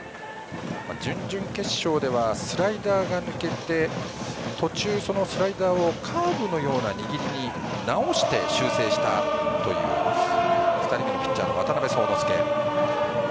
準々決勝ではスライダーが抜けて途中、スライダーをカーブのような握りに直して修正したという２人目のピッチャーの渡邉聡之介。